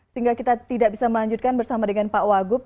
sehingga kita tidak bisa melanjutkan bersama dengan pak wagub